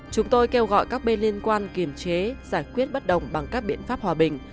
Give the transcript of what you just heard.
chúng tôi kêu gọi các bên liên quan kiềm chế giải quyết bất đồng bằng các biện pháp hòa bình